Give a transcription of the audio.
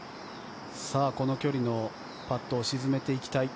この距離のパットを沈めていきたい。